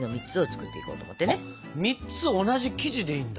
３つ同じ生地でいいんだ。